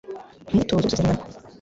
Umwitozo wo gusesengura umwandiko